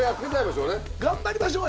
頑張りましょう！